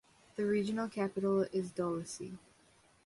The regional capital is Dolisie.